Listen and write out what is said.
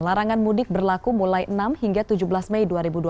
larangan mudik berlaku mulai enam hingga tujuh belas mei dua ribu dua puluh